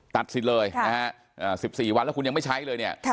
ตัดสิทธิ์เลยนะฮะ๑๔วันแล้วคุณยังไม่ใช้เลยเนี่ย